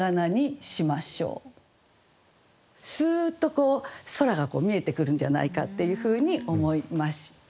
スーッとこう空が見えてくるんじゃないかっていうふうに思いました。